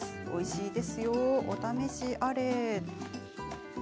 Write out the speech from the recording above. おいしいですよ。お試しあれ。